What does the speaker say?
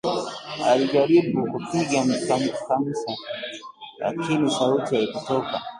alijaribu kupiga kamsa lakini sauti haikutoka